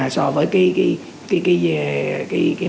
so với cái